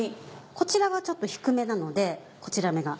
こちらがちょっと低めなのでこちら目が。